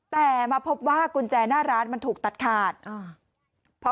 แต่มาพบว่ากุญแจหน้าร้านมันถูกตัดขาดอ่า